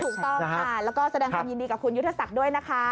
ถูกต้องค่ะแล้วก็แสดงความยินดีกับคุณยุทธศักดิ์ด้วยนะคะ